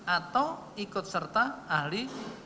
atau ikut serta ahli